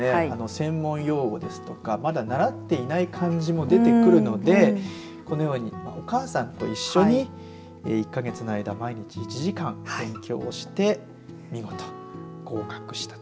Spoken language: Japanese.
専門用語ですとかまだ習っていない感じも出てくるのでこのようにお母さんと一緒に１か月の間、毎日１時間勉強をして見事、合格したと。